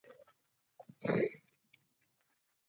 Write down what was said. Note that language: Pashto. ښارونه د افغانستان د پوهنې نصاب کې شامل دي.